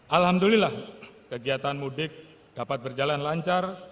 alhamdulillah kegiatan mudik dapat berjalan lancar